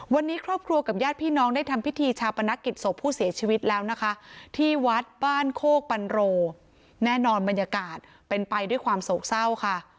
วันนี้ครอบครัวกับญาติพี่น้องได้ทำพิธีชาปนกิจศพผู้เสียชีวิตแล้วนะคะที่วัดบ้านโคกปันโรแน่นอนบรรยากาศเป็นไปด้วยความโศกเศร้าค่ะ